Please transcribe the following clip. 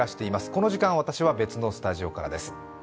この時間は、私は別のスタジオからです。